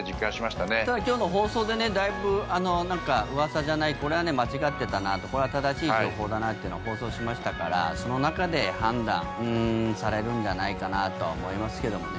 ただ、今日の放送でねだいぶうわさじゃないこれは間違ってたなこれは正しい情報だなっていうのを放送しましたからその中で判断されるんじゃないかなとは思いますけどもね。